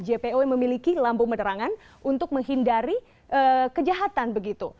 jpo yang memiliki lampu penerangan untuk menghindari kejahatan begitu